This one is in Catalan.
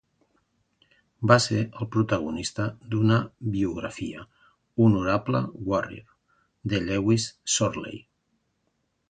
Va ser el protagonista d'una biografia, "Honorable Warrior", de Lewis Sorley.